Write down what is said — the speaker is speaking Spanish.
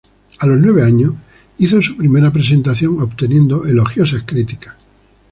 A los nueve años hizo su primera presentación, obteniendo elogiosas críticas.